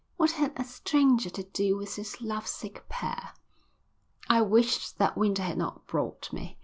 What had a stranger to do with this love sick pair? I wished that Winter had not brought me.